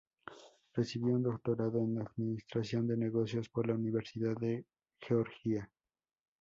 Recibió un doctorado en administración de negocios por la Universidad de Georgia.